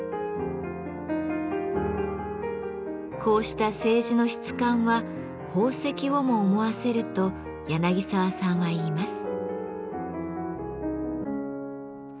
こうした青磁の質感は宝石をも思わせると澤さんは言います。